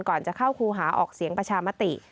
ก่อนจะเข้าครูหาออกเสียงประชามติ